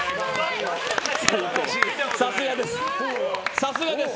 さすがです。